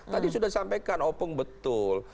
tadi sudah disampaikan opung betul